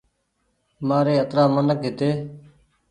مآري اَترآ منک هيتي